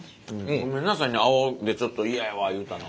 ごめんなさいね青でちょっと嫌やわ言うたの。